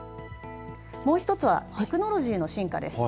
もう一つはテクノロジーの進化です。